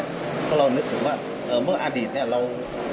เพราะเรานึกถึงว่าเมื่ออดีตเนี่ยเรา